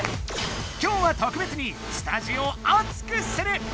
今日は特別にスタジオを熱くする！